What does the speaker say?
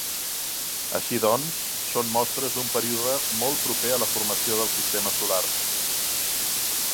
Així doncs, són mostres d'un període molt proper a la formació del sistema solar.